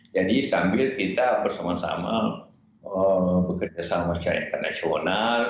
jadi sambil kita bersama sama bekerja sama masyarakat internasional